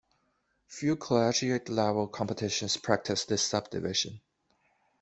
Few collegiate-level competitions practice this subdivision.